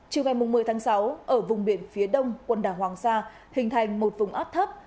chiều ngày một mươi tháng sáu ở vùng biển phía đông quần đảo hoàng sa hình thành một vùng áp thấp